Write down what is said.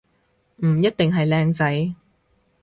唔一定係靚仔